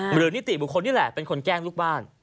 นิติบุคคลนี่แหละเป็นคนแกล้งลูกบ้าน